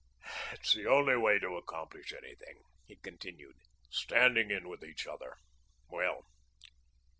"It's the only way to accomplish anything," he continued, "standing in with each other... well